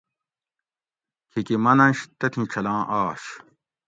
کھیکی منننش تتھیں چھلاں آش